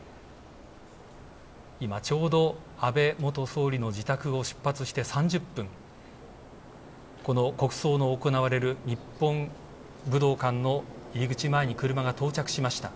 今ちょうど、安倍元総理の自宅の前を出発して３０分国葬の行われる日本武道館の入り口前に車が到着しました。